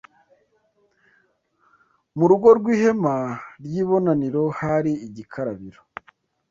Mu rugo rw’ihema ry’ibonaniro hari igikarabiro